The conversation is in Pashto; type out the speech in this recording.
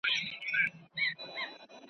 نه شرنګى سته د پاوليو نه پايلو.